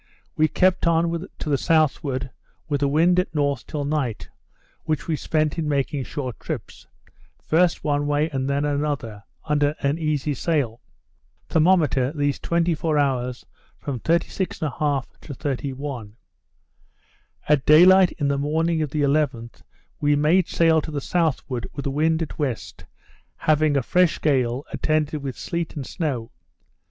We kept on to the southward with the wind at north till night, which we spent in making short trips, first one way and then another, under an easy sail; thermometer these 24 hours from 36 1/2 to 31. At day light in the morning of the 11th, we made sail to the southward with the wind at west, having a fresh gale, attended with sleet and snow.